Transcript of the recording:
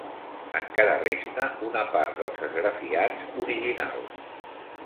Encara resta una part dels esgrafiats originals.